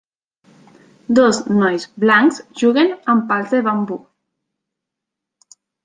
Dos nois blancs juguen amb pals de bambú.